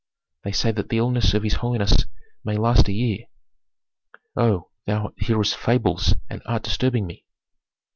"They say that the illness of his holiness may last a year." "Oh, thou hearest fables and art disturbing me.